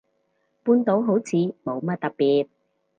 半島好似冇乜特別